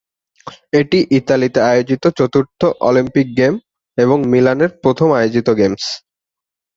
এটি ইতালিতে আয়োজিত চতুর্থ অলিম্পিক গেম এবং মিলানের প্রথম আয়োজিত গেমস।